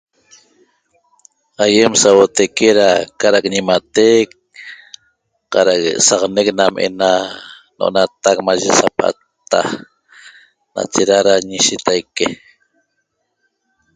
Aiem sauoteque cara'ac ñimatec cara'ac saxanec nam ena no'onatac maye sapatta nachera ra ñishitaique